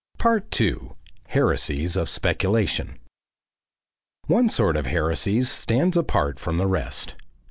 2. HERESIES OF SPECULATION One sort of heresies stands apart from the rest.